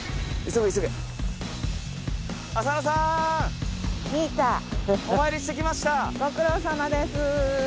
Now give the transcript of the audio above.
ご苦労さまです。